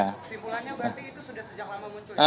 kesimpulannya berarti itu sudah sejak lama muncul ya